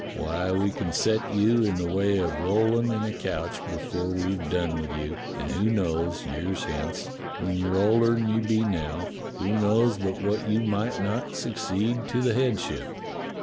Why, we can set you in the way of rollin' in a coach before we've done with you, and who knows, years hence, when you're older than you be now, who knows but what you might not succeed to the headship.